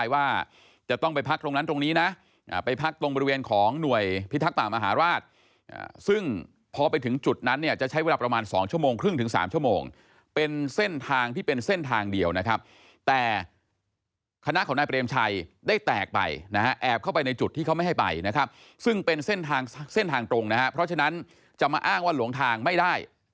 ว่าจะต้องไปพักตรงนั้นตรงนี้นะไปพักตรงบริเวณของหน่วยพิทักษ์ป่ามหาราชซึ่งพอไปถึงจุดนั้นเนี่ยจะใช้เวลาประมาณ๒ชั่วโมงครึ่งถึง๓ชั่วโมงเป็นเส้นทางที่เป็นเส้นทางเดียวนะครับแต่คณะของนายเปรมชัยได้แตกไปนะฮะแอบเข้าไปในจุดที่เขาไม่ให้ไปนะครับซึ่งเป็นเส้นทางเส้นทางตรงนะฮะเพราะฉะนั้นจะมาอ้างว่าหลงทางไม่ได้